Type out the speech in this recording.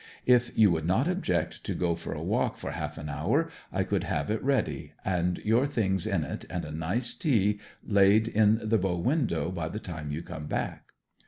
If you would not object to go for a walk for half an hour, I could have it ready, and your things in it, and a nice tea laid in the bow window by the time you come back?'